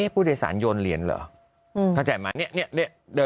พูด